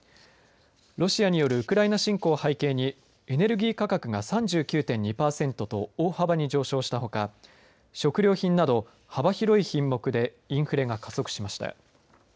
ロシアによるウクライナ侵攻を背景にエネルギー価格が３９．２パーセントと大幅に上昇したほか食料品など幅広い品目でインフレが加速しました。